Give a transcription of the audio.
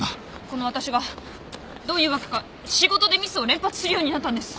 この私がどういうわけか仕事でミスを連発するようになったんです。